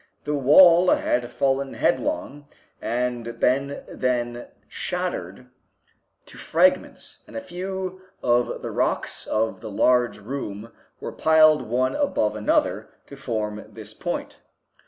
The wall had fallen headlong and been then shattered to fragments, and a few of the rocks of the large room were piled one above another to form this point.